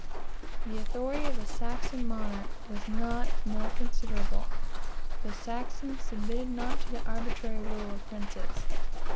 "The authority of a Saxon mnarch was not more considerable. The Saxons submitted not to the arbitrary rule of princes.